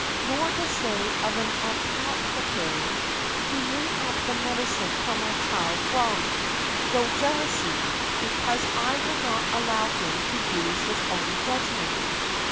Nor to say of an apothecary, "He made up the medicine for my child wrong, through jealousy, because I would not allow him to use his own judgment" .